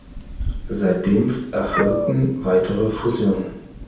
Seitdem erfolgten weitere Fusionen.